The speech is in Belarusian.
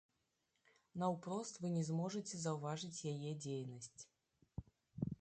Наўпрост вы не зможаце заўважыць яе дзейнасць.